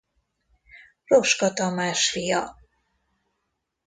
Roska Tamás fia.